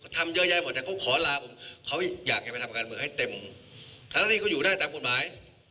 ฐานาทีเขาอยู่ได้แต่กฎหมาย